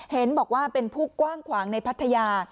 เห็นบอกว่าเป็นผู้กว้างขวางในพัทยา